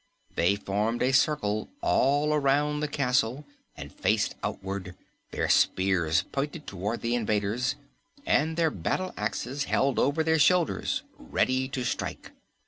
They formed a circle all around the castle and faced outward, their spears pointed toward the invaders, and their battle axes held over their shoulders, ready to strike.